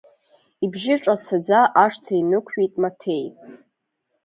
Ибжьы ҿацаӡа ашҭа инықәҩит Маҭеи.